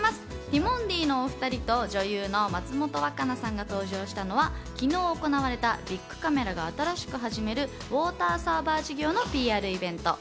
ティモンディのお２人と女優の松本若菜さんが登場したのは昨日行われたビックカメラが新しく始めるウォーターサーバー事業のＰＲイベント。